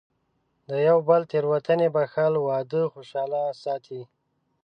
د یو بل تېروتنې بښل، واده خوشحاله ساتي.